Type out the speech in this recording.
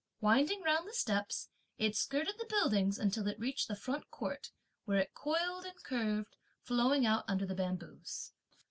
Winding round the steps, it skirted the buildings until it reached the front court, where it coiled and curved, flowing out under the bamboos.